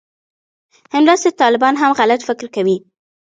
همداسې طالبان هم غلط فکر کوي